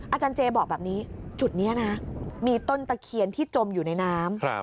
อาจารย์เจบอกแบบนี้จุดนี้นะมีต้นตะเคียนที่จมอยู่ในน้ำ